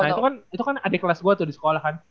nah itu kan adik kelas gue tuh di sekolah kan